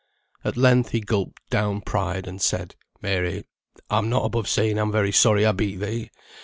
At length he gulped down pride, and said: "Mary, I'm not above saying I'm very sorry I beat thee.